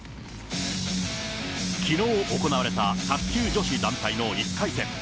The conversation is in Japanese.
きのう行われた卓球女子団体の１回戦。